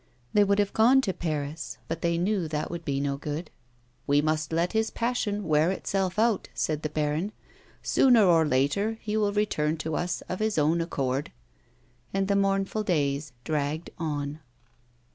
They would have gone to Paris, but they knew that would be no good. " We must let his passion wear itself out," said the baron ;*' sooner or later be will return to us of his own accord." And the mournful days dragged on.